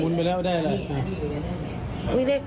ไปแล้วได้อะไร